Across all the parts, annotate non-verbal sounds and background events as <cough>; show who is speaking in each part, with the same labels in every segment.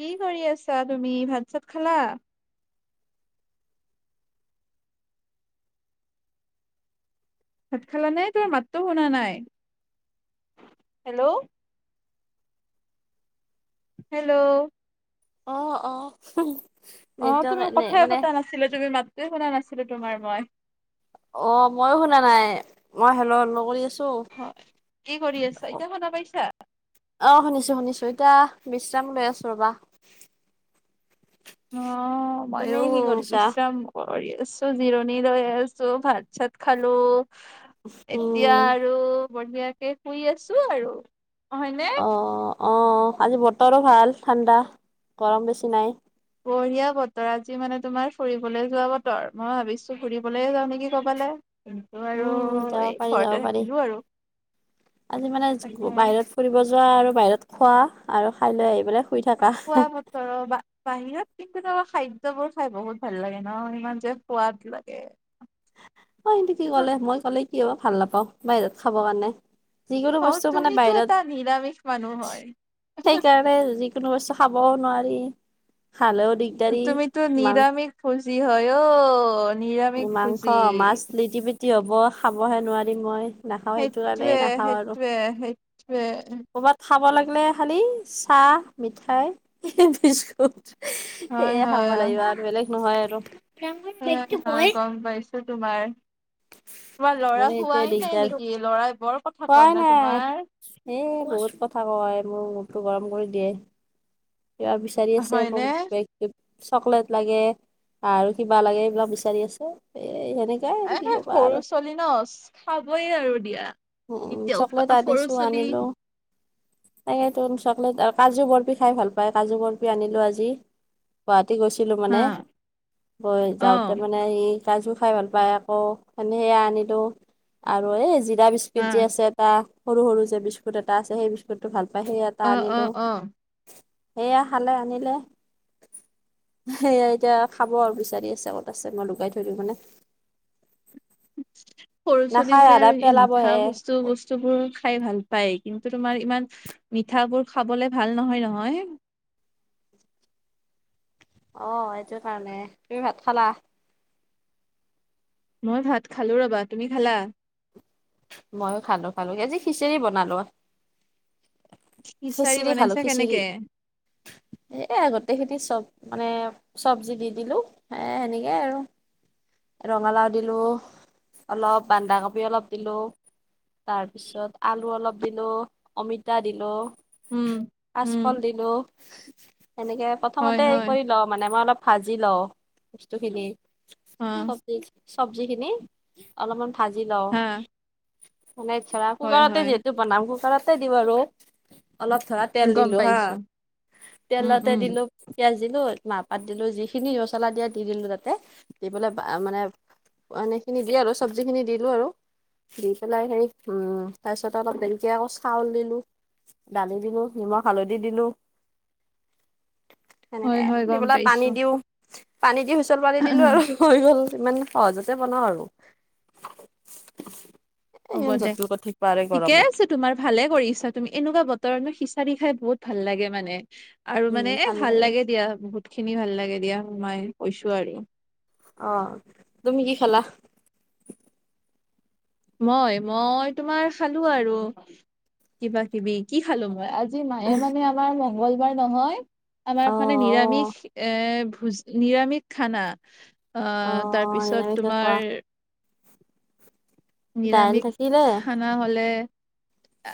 Speaker 1: কি কৰি আছা তুমি? ভাত চাত খালা? ভাত খালা নে? তোমাৰ মাতটো শুনা নাই। হেল্ল'। হেল্ল'।
Speaker 2: অ', অ'।
Speaker 1: অ'
Speaker 2: নেটৱৰ্ক
Speaker 1: তুমি
Speaker 2: নে
Speaker 1: কথাই
Speaker 2: মানে
Speaker 1: পতা নাছিলা তুমি মাতটোৱে শুনা পোৱা নাছিলোঁ মই।
Speaker 2: অ', ময়ো শুনা নাই মই হেল্ল' হেল্ল' কৰি <unintelligible>
Speaker 1: হয় কি কৰি আছা এতিয়া শুনা পাইছা
Speaker 2: শুনিছোঁ শুনিছোঁ ইতা বিশ্ৰাম লৈ আছোঁ ৰ'বা।
Speaker 1: অ'
Speaker 2: তুমি
Speaker 1: ময়ো
Speaker 2: কি কৰিছা?
Speaker 1: বিশ্ৰাম কৰ কৰি আছোঁ জিৰণি লৈ আছোঁ ভাত চাত খালোঁ। এতিয়া
Speaker 2: উম,
Speaker 1: আৰু বঢ়িয়াকে শুই আছোঁ আৰু, হয়নে।
Speaker 2: অ', অ' আজি বতৰো ভাল ঠাণ্ডা, গৰম বেছি নাই।
Speaker 1: বঢ়িয়া বতৰ আজি মানে তোমাৰ ফুৰিবলৈ যোৱা বতৰ মই ভাবিছোঁ ফুৰিবলৈ যাওঁ নেকি ক'বালে। কিন্তু আৰু
Speaker 2: উম, যাব
Speaker 1: এই
Speaker 2: পাৰি যাব
Speaker 1: ঘৰতে
Speaker 2: পাৰি।
Speaker 1: থাকিলো আৰু।
Speaker 2: আজি মানে
Speaker 1: তাকে
Speaker 2: বাহিৰত ফুৰিব যোৱা আৰু বাহিৰত খোৱা আৰু খাই লৈ আহি পেলাই শুই থাকা।
Speaker 1: খোৱা বতৰ ৰ'বা বাহিৰত কিন্তু তোমাৰ খাদ্যবোৰ খাই বহুত ভাল লাগে ন' ইমান যে সোৱাদ লাগে।
Speaker 2: অ' কিন্তু কি
Speaker 1: হ
Speaker 2: ক'লে মই ক'লে কি হ'ব ভাল নাপাওঁ বাহিৰত খাব কাৰণে। যিকোনো
Speaker 1: অ'
Speaker 2: বস্তু মানে
Speaker 1: তুমিতো
Speaker 2: বাহিৰত
Speaker 1: এটা নিৰামিষ মানুহ হয়।
Speaker 2: সেইকাৰণে যিকোনো বস্তু খাবও নোৱাৰি। খালেও দিগদাৰি
Speaker 1: তুমিতো
Speaker 2: মাং
Speaker 1: নিৰামিষ ভোজী হয় অ'। নিৰামিষ
Speaker 2: মাংস
Speaker 1: ভুজি।
Speaker 2: মাছ লিটি পিটি হ'ব খাবহে নোৱাৰিম মই। নাখাওঁ সেইটো কাৰণে
Speaker 1: সেইটোৱে
Speaker 2: নাখাওঁ আৰু
Speaker 1: সেইটোৱে সেইটোৱে।
Speaker 2: ক'ৰবাত খাব লাগিলে খালি চাহ, মিঠাই, বিস্কুট।
Speaker 1: হয়
Speaker 2: এয়ে খাব লাগিব আৰু বেলেগ নহয় আৰু। ডাঙৰ
Speaker 1: এ
Speaker 2: বেগটো
Speaker 1: হয়
Speaker 2: কয়
Speaker 1: গ'ম পাইছোঁ তোমাৰ। তোমাৰ ল'ৰা
Speaker 2: মানে সেইটোৱে
Speaker 1: শুৱাই নাই
Speaker 2: দিগদাৰ
Speaker 1: নেকি ল'ৰাই বৰ কথা
Speaker 2: কোৱাই
Speaker 1: কয় ন'
Speaker 2: নাই
Speaker 1: তোমাৰ।
Speaker 2: এ বহুত কথা কয় মোৰ মূৰটো গৰম কৰি দিয়ে। কিবা বিচাৰি আছে
Speaker 1: হয়নে?
Speaker 2: <unintelligible> চকলেট লাগে আৰু কিবা লাগে এইবিলাক বিচাৰি আছে সেয়ে।
Speaker 1: এ সৰু ছোৱালী ন' খাবইে আৰু দিয়া।
Speaker 2: উম,
Speaker 1: এতিয়া উপ
Speaker 2: চকলেট
Speaker 1: সৰু
Speaker 2: আনিছোঁ
Speaker 1: ছোৱালী
Speaker 2: আনিলোঁ তাকেতো চকলেট, কাজু বৰফি খাই ভাল পায় কাজু বৰফি আনিলোঁ আজি পোৱাত <unintelligible> গৈছিলোঁ
Speaker 1: হা
Speaker 2: মানে, গৈ
Speaker 1: অ
Speaker 2: যাওঁতে মানে সি কাজু খাই ভাল পায় আকৌ সেনে সেয়া আনিলোঁ আৰু এই জিৰা বি <unintelligible>
Speaker 1: হা
Speaker 2: আছে এটা সৰু সৰু যে বিস্কুট এটা আছে সেই বিস্কুটো ভাল <unintelligible> সেই এটা
Speaker 1: অ অ
Speaker 2: আনিলোঁ,
Speaker 1: অ
Speaker 2: সেয়া খালে আনিলে। সেয়া এতিয়া খাব আৰু বিচাৰি আছে ক'ত আছে মই লুকাই থৈ দিওঁ মানে। <inaudible>
Speaker 1: সৰু
Speaker 2: নাখায়
Speaker 1: চলিবোৰে
Speaker 2: আধা
Speaker 1: আৰু এই মিঠা
Speaker 2: পেলাবহে
Speaker 1: বস্তু বস্তু বোৰ খাই ভাল পায় কি <unintelligible> তোমাৰ ইমান মিঠাবোৰ খাবলে ভাল নহয় নহয়।
Speaker 2: অ' এইটো কাৰণে, তুমি ভাত খালা?
Speaker 1: মই ভাত খালোঁ ৰ'বা, তুমি খালা?
Speaker 2: ময়ো খালোঁ খালোঁ আজি খিচিৰি বনালোঁ।
Speaker 1: খিচাৰি
Speaker 2: খিচিৰি খালোঁ
Speaker 1: বনাইছা
Speaker 2: খিচিৰি,
Speaker 1: কেনেকে
Speaker 2: এ গোটেই খিনি চব মানে চব্জি দি দিলোঁ এ সেনেকে আৰু। ৰঙালাও দিলোঁ, অলপ বন্ধাকবি অলপ দিলোঁ। তাৰপিছত আলু অলপ দিলোঁ, অমিতা দিলোঁ।
Speaker 1: উম উম
Speaker 2: কাঁচকল দিলোঁ। সেনেকে
Speaker 1: হয়
Speaker 2: প্ৰথমতে এই
Speaker 1: হয়
Speaker 2: কৰি লওঁ মানে মই অলপ ভাজি লওঁ, বস্তুখিনি।
Speaker 1: অ
Speaker 2: চবজি চব্জি খিনি অলপমান ভাজি লওঁ।
Speaker 1: হা
Speaker 2: মানে ধৰা
Speaker 1: হয়
Speaker 2: কুকাৰতে
Speaker 1: হয়
Speaker 2: যিহেতু বনাওঁ কুকাৰতে দিওঁ আৰু। অলপ ধৰা তেল
Speaker 1: গম
Speaker 2: দিলোঁ হা,
Speaker 1: পাইছো উম
Speaker 2: তেলতে
Speaker 1: উম
Speaker 2: দিলোঁ পিয়াজ দিলো মাহ পাত দিলো যিখিনি ৰচনা দিয়া দি দিলো তাতে। দি পেলাই মানে পানী খিনি দিয়ে আৰু চব্জি খিনি দিলো আৰু। দি পেলাই হেৰি উম তাৰ পিছত অলপ ধেনকে আকৌ চাউল দিলো। দালি দিলো নিমখ হালধি দিলো।
Speaker 1: হয়
Speaker 2: সেনেকে
Speaker 1: হয়
Speaker 2: দি
Speaker 1: গম
Speaker 2: পেলাই পানী
Speaker 1: পাইছো
Speaker 2: দিও পানী দি হুইচল পানী দিলো আৰু হৈ গল ইমান সহজতে বনাওঁ আৰু
Speaker 1: হ'ব
Speaker 2: ইমান
Speaker 1: দে
Speaker 2: জটিল কৰি থাকিব পাৰে
Speaker 1: ঠিকে
Speaker 2: গৰমত
Speaker 1: আছে তোমাৰ ভালে কৰিছা তুমি এনেকুৱা বতৰ খিচাৰি খাই বহুত ভাল লাগে মানে আৰু মানে এ ভাল লাগে দিয়া বহুত। খিনি ভাল লাগে দিয়া সোমাই কৈছো আৰু।
Speaker 2: অহ তুমি কি খালা?
Speaker 1: মই মই তোমাৰ খালো আৰু কিবা কিবি কি খালো মই আজি মায়ে মানে আমাৰ মংগলবাৰ নহয় আমাৰ
Speaker 2: অ'
Speaker 1: মানে
Speaker 2: অ'
Speaker 1: নিৰামিষ এ ভোজ নিৰামিষ খানা আহ
Speaker 2: অ'
Speaker 1: তাৰপিছত
Speaker 2: নিৰামিষে খোৱা
Speaker 1: তোমাৰ
Speaker 2: দাইল
Speaker 1: নিৰামিষ
Speaker 2: থাকিলে
Speaker 1: খানা হলে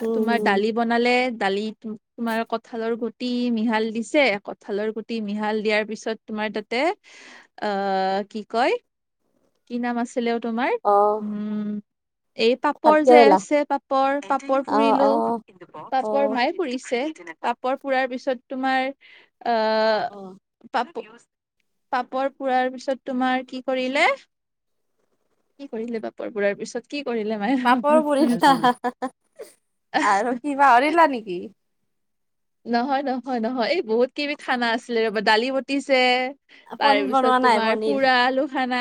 Speaker 2: উম
Speaker 1: তোমাৰ
Speaker 2: হম
Speaker 1: দালি বনালে দালি তোমাৰ কঁঠালৰ গুটি মিহাল দিছে কঁঠালৰ গুটি মিহাল দিয়াৰ পিছত তোমাৰ আমাৰ তাতে আহ কি কয় কি নাম আছিলে অ', তোমাৰ
Speaker 2: অ'
Speaker 1: উম এই
Speaker 2: ভাত
Speaker 1: পাপৰ যে
Speaker 2: কেৰেলা
Speaker 1: আছে পাপৰ পাপৰ
Speaker 2: অ'
Speaker 1: পুৰিলো
Speaker 2: অ'
Speaker 1: পাপৰ
Speaker 2: অ'
Speaker 1: মায়ে পুৰিছে পাপৰ পুৰাৰ পিছত তোমাৰ আ
Speaker 2: অ' অ'
Speaker 1: পাপ পাপৰ পুৰাৰ পিছত তোমাৰ কি কৰিলে কি কৰিলে পাপৰ পুৰাৰ পিছত কি কৰিলে
Speaker 2: পাপৰ পুৰিলা
Speaker 1: মায়েনা
Speaker 2: আৰু কি পাহৰিলা নেকি
Speaker 1: নহয় নহয় নহয় এই বহুত কেইবিধ খানা আছিলে ৰবা দালি বতিছে তাৰ
Speaker 2: পনীৰ
Speaker 1: পিছত
Speaker 2: বনোৱা নাই
Speaker 1: তোমাৰ
Speaker 2: পনীৰ
Speaker 1: পুৰা আলুসনা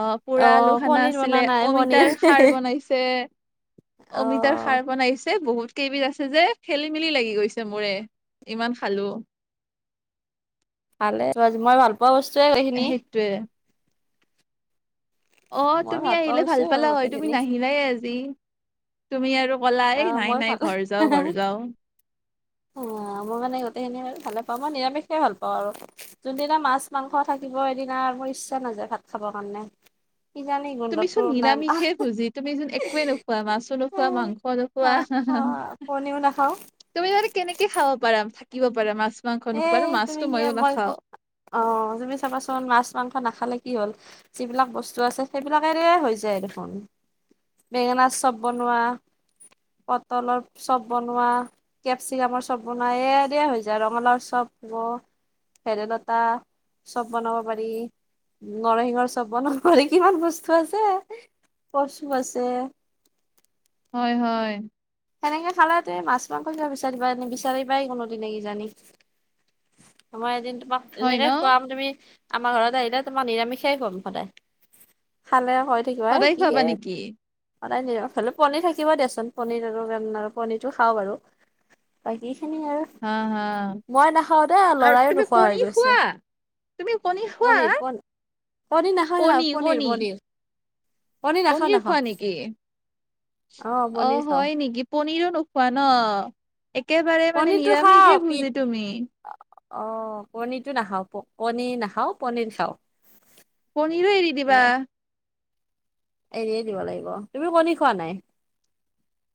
Speaker 1: অ', পোৰা আলুসনা
Speaker 2: পনীৰ
Speaker 1: আছিলে
Speaker 2: বনোৱা নাই
Speaker 1: অমিত
Speaker 2: পনীৰ
Speaker 1: তাৰ সাৰ বনাইছে
Speaker 2: অ
Speaker 1: অমিতাৰ খাৰ বনাইছে এ বহুত কেইবিধ আছে যে খেলি মেলি লাগি গৈছে মোৰে ইমান খালো
Speaker 2: ভালে মই ভাল পোৱা বস্তুৱে সেইখিনি
Speaker 1: সেইটোয়ে। অ',
Speaker 2: মই
Speaker 1: তুমি
Speaker 2: পোৱা
Speaker 1: আহিলে ভাল
Speaker 2: বস্তুৱে বাৰু
Speaker 1: পালা হয় তুমি
Speaker 2: গোটেইখিনি
Speaker 1: নাহিলাই আজি তুমি আৰু কলা
Speaker 2: অ
Speaker 1: এই নাই
Speaker 2: মই
Speaker 1: নাই
Speaker 2: ভাল
Speaker 1: ঘৰ যাও ঘৰ যাও
Speaker 2: অ',। অ', মই মানে গোটেইখিনি আৰু ভালে পাওঁ মই নিৰামিষে ভাল পাওঁ আৰু যোনদিনা মাছ মাংস থাকিব সেইদিনা মোৰ ইচ্ছা নাযায় ভাত খাবৰ কাৰণে কিজানি
Speaker 1: তুমিচোন
Speaker 2: গোন্ধতটো নাম আহ
Speaker 1: নিৰামিষে ভোজি, তুমিচোন একোৱে নোখোৱা, মাছো নোখোৱা, মাংস
Speaker 2: আহ
Speaker 1: নোখোৱা।
Speaker 2: অ', কণীও নাখাওঁ
Speaker 1: তুমি মানে কেনেকে খাব পাৰা থাকিব পাৰা মাছ মাংস
Speaker 2: এ
Speaker 1: নোখোৱা আৰু
Speaker 2: তুমি
Speaker 1: মাছটো
Speaker 2: কি
Speaker 1: ময়ো
Speaker 2: মই ক
Speaker 1: নাখাওঁ
Speaker 2: অ', তুমি চাবাচোন মাছ মাংস নাখালে কি হ'ল যিবিলাক বস্তু আছে সেইবিলাকেৰেও হৈ যায় দেখোন বেঙেনা চপ বনোৱা পটলৰ চপ বনোৱা, কেপচিকামৰ চব বনোৱা এ দি হৈ যায় ৰঙালাও চব ব ভেদলতা চব বনাব পাৰি নৰসিংহৰ চপ বনাব পাৰি কিমান বস্তু আছে কচু আছে
Speaker 1: হয় হয়।
Speaker 2: সেনেকে খালে তুমি মাছ- মাংস কিয় বিচাৰিবা নিবিচাৰিবাই কোনোদিনে কিজানি আমাৰ এদিন তোমাক
Speaker 1: হয়
Speaker 2: এনেকে
Speaker 1: ন
Speaker 2: খুৱাম তুমি আমাৰ ঘৰত আহিলে তোমাৰ নিৰামিষেই খুৱাম সদায় খালেও হৈ থাকিব এ
Speaker 1: সদায়
Speaker 2: কি
Speaker 1: খোৱাবা
Speaker 2: এ
Speaker 1: নেকি
Speaker 2: সদাই নিৰামিষ হ পনীৰ থাকিব দিয়াচোন পনীৰ আৰু মেলনাই পনীৰটো খাওঁ বাৰু বাকী
Speaker 1: হা হা
Speaker 2: খাওঁ দে
Speaker 1: আৰু
Speaker 2: লৰাইও
Speaker 1: তুমি
Speaker 2: নোখোৱা
Speaker 1: কণী
Speaker 2: হৈ গৈছে
Speaker 1: খোৱা তুমি কণী খোৱা
Speaker 2: পনীৰ পন পনীৰ নাখাই
Speaker 1: কণী
Speaker 2: নাখাই পনীৰ
Speaker 1: কণী
Speaker 2: পনীৰ।
Speaker 1: পনীৰ খোৱা নেকি? অ',
Speaker 2: পনিৰ খাওঁ
Speaker 1: হয় নেকি পনীৰত নোখোৱা ন একেবাৰে মানে
Speaker 2: পনিৰটো খাওঁ
Speaker 1: নিৰামিষে
Speaker 2: পিত
Speaker 1: ভূজী তুমি।
Speaker 2: অ', কণীটো নাখাওঁ কণীৰ নাখাওঁ পনীৰ খাওঁ।
Speaker 1: পনীৰো এৰি
Speaker 2: এ
Speaker 1: দিবা?
Speaker 2: এৰিয়ে দিব লাগিব, তুমি কণী খোৱা নাই?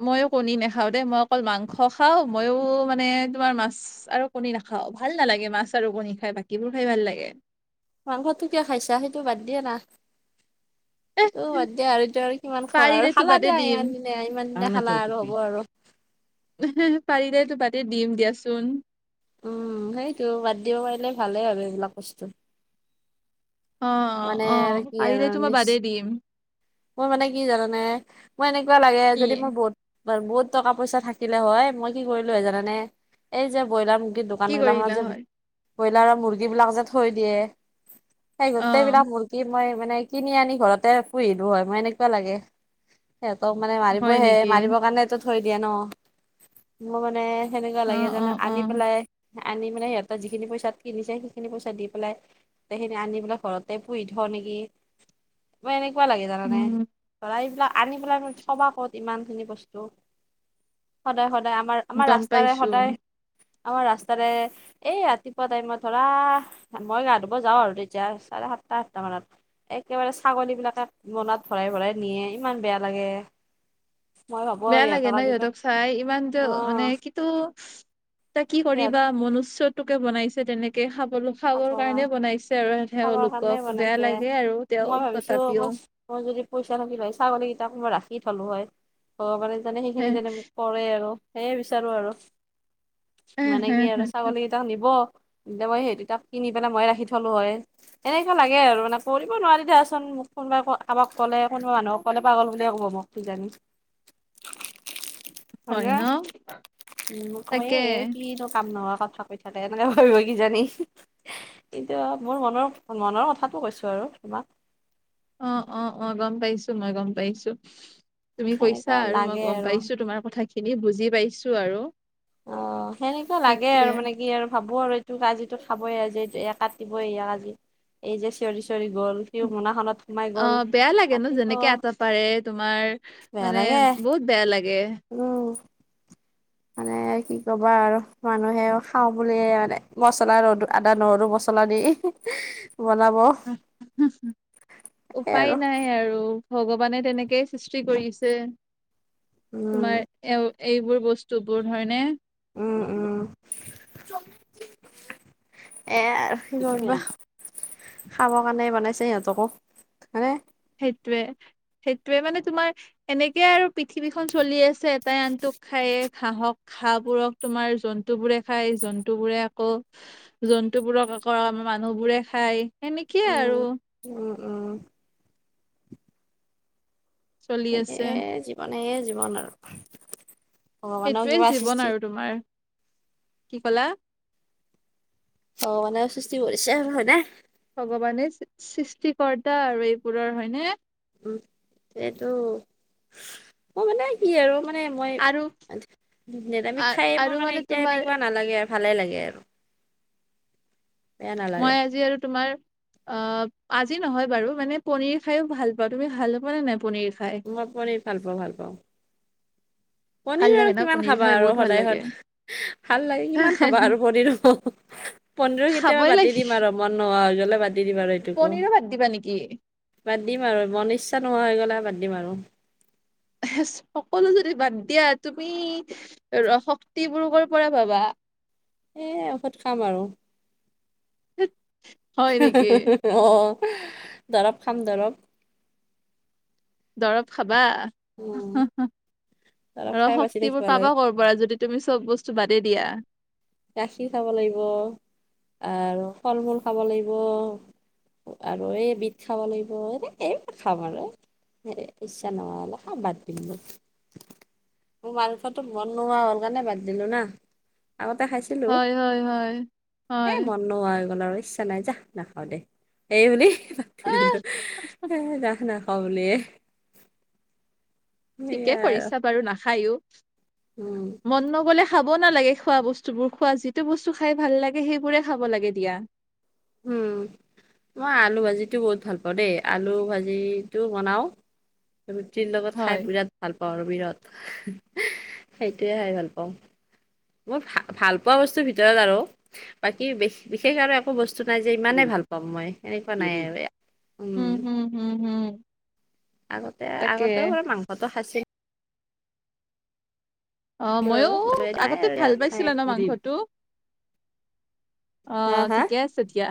Speaker 1: মইও কণী নাখাওঁ দেই মই অকল মাংস খাওঁ মইও মানে তোমাৰ মাছ আৰু কণী নাখাওঁ। খাওঁ ভাল নালাগে মাছ আৰু কণী খাই বাকীবোৰ খাই ভাল লাগে।
Speaker 2: মাংসটো কিয় খাইছা সেইটো বাদ দিয়া না। সেইটো বাদ দিয়া আৰু সেইতো আৰু কিমান খোৱা আৰু
Speaker 1: পাৰিলেতো
Speaker 2: খালা
Speaker 1: বাদে
Speaker 2: দিয়া
Speaker 1: দিম
Speaker 2: ইমান দিনা ইমান দিনা খালা আৰু হ'ব আৰু।
Speaker 1: পাৰিলে তো বাদদে দিম দিয়াচোন!
Speaker 2: উম, সেইটো বাদ দিব পাৰিলে ভালে হয় এইবিলাক বস্তু।
Speaker 1: অ',
Speaker 2: মানে
Speaker 1: অ', পাৰিলেতো মই বাদে দিম।
Speaker 2: মই মানে কি জানানে মই এনেকুৱা লাগে
Speaker 1: কি
Speaker 2: যদি মোৰ বহুত বহুত টকা পইচা থাকিলে হয় মই কি কৰিলো হয় জানানে এই যে ব্ৰইলাৰ দোকান
Speaker 1: কি
Speaker 2: গিলাখনত
Speaker 1: কৰিলা
Speaker 2: যে
Speaker 1: হয়?
Speaker 2: ব্ৰইলাৰৰ মুৰ্গীবিলাক যে থৈ দিয়ে! সেই
Speaker 1: অ
Speaker 2: গোটেইবিলাক মুৰ্গী মই মানে কিনি আনি ঘৰতে পুহি হয়। মই এনেকুৱা লাগে সিহঁতক মানে
Speaker 1: হয়
Speaker 2: মাৰিবহে
Speaker 1: নেকি?
Speaker 2: মাৰিবৰ কাৰণেটো থৈ দিয়া ন। মোৰ মানে সেনেকুৱা
Speaker 1: অ
Speaker 2: লাগে
Speaker 1: অ
Speaker 2: যানো
Speaker 1: অ
Speaker 2: আনি পেলাই আনি মানে সিহঁতৰ যিখিনি পইচাত কিনিছে সেইখিনি পইচা দি পেলাই সেইখিনি আনি পেলাই ঘৰতে পুহি থওঁ নেকি। মানে এনে কুৱা লাগে জানানে
Speaker 1: উম
Speaker 2: ধৰা এইবিলাক আনি পেলাই চবা ক'ত ইমানখিনি বস্তু। সদায় সদায় সদায় আমাৰ আমাৰ
Speaker 1: গম
Speaker 2: ৰাস্তাৰে
Speaker 1: পাইছো।
Speaker 2: সদায় আমাৰ ৰাস্তাৰে এই ৰাতিপুৱা টাইমত ধৰা মই গা ধুব যাওঁ আৰু তেতিয়া চাৰে সাত আঠটা মানত একেবাৰে ছাগলীবিলাকে মোনাত ভৰাই ভৰাই নিয়ে ইমান বেয়া লাগে। মই ভাবো
Speaker 1: বেয়া
Speaker 2: আৰু
Speaker 1: লাগে
Speaker 2: সিহঁতক
Speaker 1: ন
Speaker 2: আজি
Speaker 1: ইহঁতক চাই ইমান যে
Speaker 2: অ
Speaker 1: মানে কিন্তু তে কি
Speaker 2: সিহঁত
Speaker 1: কৰিবা মনুস্যতোকে বনাইছে তেনেকে খাব সকলো
Speaker 2: খাব
Speaker 1: খাবৰ কাৰণে বনাইছে আৰু
Speaker 2: খাবৰ কাৰণে
Speaker 1: তেওঁলোকক বেয়া
Speaker 2: বনাইছে
Speaker 1: লাগে আৰু তেওঁ
Speaker 2: মই ভাবিছো
Speaker 1: তথাপিও।
Speaker 2: মই মই যদি পইচা থাকিল হয় ছাগলী কেইটা মই ৰাখ খি হ'লো হয় ভগৱানে জানে
Speaker 1: হে
Speaker 2: সেইখিনি যাতে মোক কৰে আৰু সেয়ে বিচাৰো আৰু।
Speaker 1: হে
Speaker 2: মানে
Speaker 1: হে
Speaker 2: কি
Speaker 1: হে
Speaker 2: আৰু ছাগলী কেইটাক নিব তেতিয়ায়া মই সেই তাক কিনি পেলাই মই ৰাখি থলোঁ হয়। এনেকা লাগে আৰু মানে কৰিব নোৱাৰি দিয়াচোন। মোক কোনোবাই ক কাৰোবাক ক'লে কোনোবা মানুহক ক'লে পাগল বুলি ক'ব মোক কি জানি। হয় নে? উম, মোক ক'বা এই এই
Speaker 1: তাকে
Speaker 2: কিনো কাম নোহোৱা কথা কৈ থাকে এনেকে ভাবিব কিজানি। কিন্তু মোৰ মনৰ মনৰ কথাতটো কৈছো আৰু তোমাক।
Speaker 1: অ', অ', অ', গম পাইছো মই গম পাইছো। তুমি কৈছা
Speaker 2: সেনেকুৱা
Speaker 1: আৰু মই
Speaker 2: লাগে
Speaker 1: গম
Speaker 2: আৰু
Speaker 1: পাইছো তোমাৰ কথাখিনি বুজি পাইছো আৰু।
Speaker 2: অ', সেনেকুৱা লাগে আৰু
Speaker 1: সেইটোৱে।
Speaker 2: মানে কি আৰু ভাব ব এইটোক আজি খাবই আজি এই কাটিবই আজি। এই যে চিঞৰি চিঞৰি গ'ল সিও মোনাখনত সোমাই
Speaker 1: অ',
Speaker 2: গ'ল
Speaker 1: বেয়া লাগে ন
Speaker 2: কাটিব
Speaker 1: যেনেকে আতাহ পাৰে তোমাৰ
Speaker 2: বেয়া
Speaker 1: মানে
Speaker 2: লাগে
Speaker 1: বহুত বেয়া লাগে।
Speaker 2: উম। মানে কি কবা আৰু মানুহে খাওঁ বুলিয়ে মানে মছলা ৰদো আদা নহৰু মছলা দি। বনাব সেই আৰু
Speaker 1: উপায় নাই আৰু। ভগৱানে তেনেকেই সৃষ্টি কৰিছে।
Speaker 2: উম
Speaker 1: তোমাৰ এ এইবোৰ বস্তু তোৰ হয়নে?
Speaker 2: উম উম এ, আৰু কি কৰিবা, খাবৰ কাৰণে বনাইছে সিহঁতকো হয়নে?
Speaker 1: সেইটোৱে, সেইটোৱে মানে তোমাৰ এনেকে আৰু পৃথিৱীখন চলি আছে এটাই আনটো খায়ে ঘাহক খাঁহবোৰক তোমাৰ জন্তুবোৰে খায় জন্তু বোৰে আকৌ জন্তুবোৰক আকৌ আমাৰ মানুহবোৰে খায় সেনেকিয়েই আৰু।
Speaker 2: উ।
Speaker 1: চলি
Speaker 2: এ, এ,
Speaker 1: আছে
Speaker 2: এ, জীৱন সেয়ে জীৱন আৰু। ভগৱানেও
Speaker 1: সেইটোৱে
Speaker 2: কিবা
Speaker 1: জীৱন
Speaker 2: সৃষ্টি
Speaker 1: আৰু তোমাৰ। কি কলা?
Speaker 2: অ' মানে সৃষ্টি কৰিছে হয় নাই?
Speaker 1: ভগৱানে সৃষ্টিকৰ্তা আৰু এইবোৰৰ হয়নে?
Speaker 2: উ, সেইটো মোৰ মানে কি আৰু মানে মানে
Speaker 1: আৰু
Speaker 2: মই নিৰামিষ খায়ে
Speaker 1: আৰু
Speaker 2: মোৰ মানে এতিয়া
Speaker 1: তোমাৰ
Speaker 2: সনেকুৱা নালাগে আৰু। ভালে লাগে আৰু। বেয়া নালাগে
Speaker 1: মই আজি আৰু তোমাৰ অ আজি নহয় বাৰু মানে পনিৰ খায়ো ভাল পাওঁ। তুমি ভাল নোপোৱা নে নাই পনিৰ? খাই
Speaker 2: মই পনিৰ ভাল পাওঁ ভাল পাওঁ।
Speaker 1: ভাল
Speaker 2: পনীৰ আৰু
Speaker 1: লাগে ন
Speaker 2: কিমান
Speaker 1: পনীৰ
Speaker 2: খাবা
Speaker 1: খাই
Speaker 2: আৰু
Speaker 1: বহুত ভাল
Speaker 2: সদায়
Speaker 1: লাগে
Speaker 2: সদা, ভাল লাগে কিমান খাবা আৰু পনীৰ পনিৰো কেতিয়াবা
Speaker 1: খাবই
Speaker 2: পাতি
Speaker 1: লাগে
Speaker 2: দিম আৰু মন নোহোৱা হৈ গলে। বাদ দি দিম আৰু এইটোকো,
Speaker 1: পনীৰো বাদ দিবা নেকি
Speaker 2: বাদ দিম আৰু মন ইচ্ছা নোহোৱা হৈ গ'ল বাদ দিম আৰু।
Speaker 1: সকলো যদি বাদ দিয়া তুমি ৰ-শক্তিবোৰ ক'ৰ পৰা পাবা?
Speaker 2: সেয়েৱঔষধ খাম আৰু।
Speaker 1: দেইত।
Speaker 2: অ' দৰৱ খাম দৰৱ।
Speaker 1: দৰৱ খাবা?
Speaker 2: উম দৰৱ
Speaker 1: ৰ
Speaker 2: খাই বাচি থাকিব
Speaker 1: শক্তিবোৰ
Speaker 2: লাগে
Speaker 1: পাবা কৰ' পৰা যদি তুমি চব বস্তু বাদে দিয়া।
Speaker 2: গাখীৰ খাব লাগিব আৰু ফল মূল খাব লাগিব। আৰু এই বিধ খাব লাগিব এনেকে এইবিলাক খাম আৰু। এ, ইচ্ছা নহ'লে খা বাদ দিম। মোৰ মাংসটোত মন নোহোৱা হ'ল কাৰণে বাদ দিলো না। আ তে খাইছিলোঁ।
Speaker 1: হয় হয় হয়
Speaker 2: এ,
Speaker 1: হয়
Speaker 2: মন নোহোৱা হৈ গল আৰু। ইচ্ছা নাই যাহ নাখাও দে। এই বুলি বাদ দি
Speaker 1: আহ
Speaker 2: দিলোঁ। হে ৰাহনা খাওঁ বুলিয়ে
Speaker 1: ঠিকেই
Speaker 2: সেইয়াই আৰু
Speaker 1: কৰিছা বাৰু নাখায়ো।
Speaker 2: উম।
Speaker 1: খাবও নালাগে খোৱা বস্তুবোৰ, খোৱা যিটো বস্তু খাই ভাল লাগে সেইবোৰে খাব লাগে দিয়া।
Speaker 2: উম। মই আলু ভাজিটো বহুত ভাল পাওঁ দেই, আলু ভাজিটো বনাও। ৰুটিৰ লগত
Speaker 1: হয়
Speaker 2: খাই বিৰাট ভাল পাওঁ আৰু বিৰাট। সেইটোৱে খাই ভাল পাওঁ। মোৰ ভা-ভাল পোৱা বস্তুৰ ভিতৰত আৰু বাকী বিশেষ আৰু একো বস্তু চো নাই যে ইমানেই ভাল পাম মই, এনেকুৱা নাই আৰু উম।
Speaker 1: হম হম হম
Speaker 2: আগতে
Speaker 1: তাকে
Speaker 2: আগতেও বাৰু মাংসটো সাঁচি
Speaker 1: অ'
Speaker 2: আৰু
Speaker 1: ময়ো
Speaker 2: নাই
Speaker 1: আগতে
Speaker 2: আৰু
Speaker 1: ভাল
Speaker 2: নাই
Speaker 1: পাইছিলা ন' মাংসটো?
Speaker 2: হা
Speaker 1: অ'
Speaker 2: হা
Speaker 1: ঠিকে আছে দিয়া।